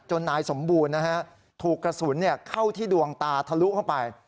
นายสมบูรณ์นะฮะถูกกระสุนเข้าที่ดวงตาทะลุเข้าไป